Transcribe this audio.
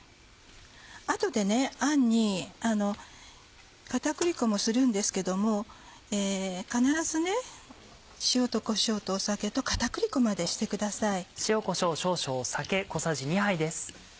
あとであんに片栗粉もするんですけども必ず塩とこしょうと酒と片栗粉までしてください。